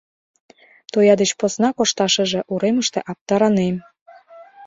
Тоя деч посна кошташыже уремыште аптыранем.